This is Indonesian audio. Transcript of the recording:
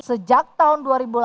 sejak tahun dua ribu delapan belas